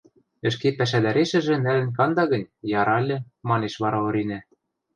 — Ӹшке пӓшӓдӓрешӹжӹ нӓлӹн канда гӹнь, яра ыльы, — манеш вара Оринӓ.